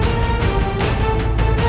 tidak ada yang bisa diberi